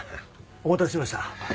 お待たせしました。